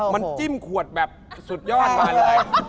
มันจิ้มขวดแบบสุดยอดมาเลย